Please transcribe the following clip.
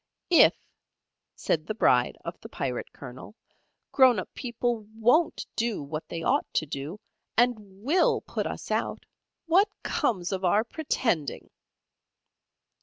"If," said the Bride of the Pirate Colonel, "grown up people WON'T do what they ought to do, and WILL put us out, what comes of our pretending?"